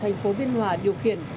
ở thành phố biên hòa điều khiển